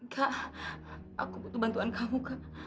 tak aku butuh bantuan kamu kak